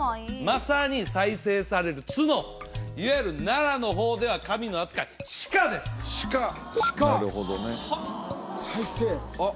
まさに再生される角いわゆる奈良の方では神の扱い鹿です鹿なるほどねはああっ